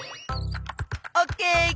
オッケー！